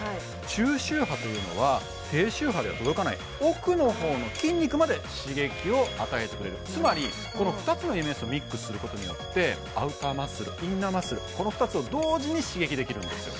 中周波というのは低周波では届かない奥の方の筋肉まで刺激を与えてくれるつまりこの２つのＥＭＳをミックスすることによってアウターマッスルインナーマッスルこの２つを同時に刺激できるんですよ